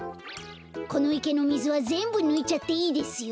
このいけのみずはぜんぶぬいちゃっていいですよ。